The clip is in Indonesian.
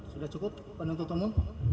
sudah cukup pandang tontonmu